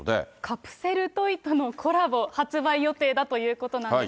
カプセルトイとのコラボ発売予定だということなんです。